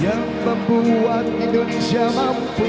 yang membuat indonesia mampu